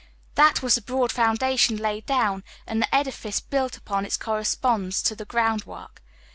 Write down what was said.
That was the broad foundation laid down, and the edifice built upon it corresponds to the groundwork.